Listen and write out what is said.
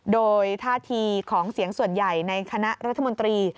โดยท่าทีของเสียงส่วนใหญ่ในคณะรัฐมนตรี